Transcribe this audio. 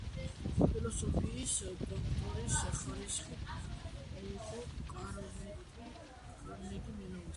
ფილოსოფიის დოქტორის ხარისხი მიიღო კარნეგი-მელონის უნივერსიტეტში.